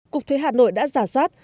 cục thuế hà nội đã giả soát